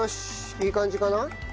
いい感じかな？